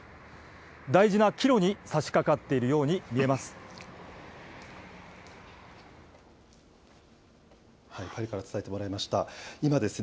大事な岐路にさしかかっているように見えます。